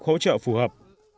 hỗ trợ phù hợp